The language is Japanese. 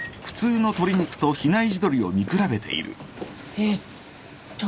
えっと。